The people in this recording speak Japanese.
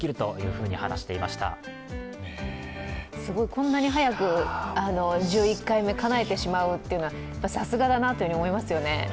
こんなに早く１１回目かなえてしまうというのはやっぱりさすがだなと思いますよね。